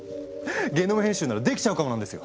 ゲノム編集ならできちゃうかもなんですよ。